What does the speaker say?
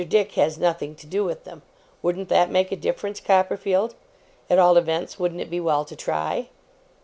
Dick has nothing to do with them. Wouldn't that make a difference, Copperfield? At all events, wouldn't it be well to try?